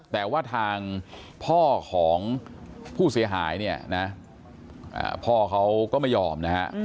แต่ว่าทางพ่อของผู้เสียหายพ่อเขาก็ไม่ยอม